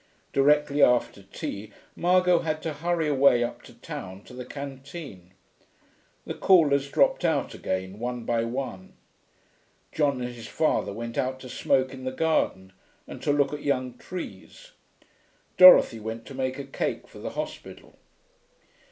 Directly after tea Margot had to hurry away up to town to the canteen. The callers dropped out again, one by one. John and his father went out to smoke in the garden, and to look at young trees. Dorothy went to make a cake for the hospital.